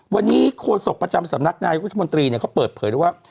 วันนี้โฆษกประจำสำนักนายุทธมนตรีเขาเปิดเผยเลยว่า